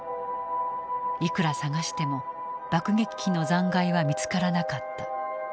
いくら探しても爆撃機の残骸は見つからなかった。